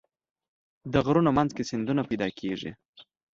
د غرونو منځ کې سیندونه پیدا کېږي.